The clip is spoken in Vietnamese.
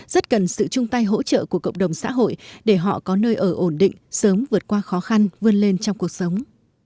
rất cần sự chung tay hỗ trợ của cộng đồng xã hội để họ có nơi ở ổn định sớm vượt qua khó khăn vươn lên trong cuộc sống